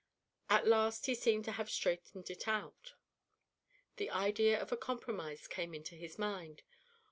At last he seemed to have straightened it out. The idea of a compromise came into his mind.